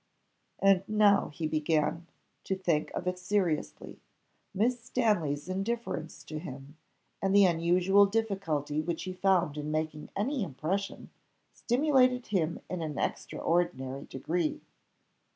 And now he began to think of it seriously. Miss Stanley's indifference to him, and the unusual difficulty which he found in making any impression, stimulated him in an extraordinary degree.